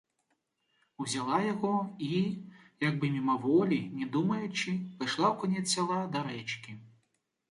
Узяла яго і, як бы мімаволі, не думаючы, пайшла ў канец сяла да рэчкі.